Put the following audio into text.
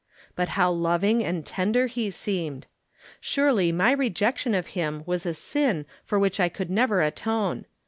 But how loving and ten der he seemed ! Surely my rejection of him was a sin for which I could never atone.